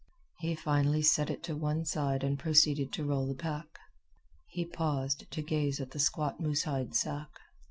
He finally set it to one side and proceeded to roll the pack. He paused to gaze at the squat moose hide sack.